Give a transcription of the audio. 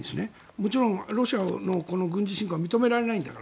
もちろんロシアの軍事侵攻は認められないんだから。